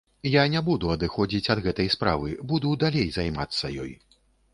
Я не буду адыходзіць ад гэтай справы, буду далей займацца ёй.